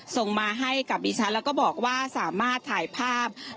ส่งมาให้กับดิฉันแล้วก็บอกว่าสามารถถ่ายภาพ